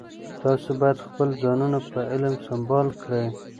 تاسو باید خپل ځانونه په علم سمبال کړئ.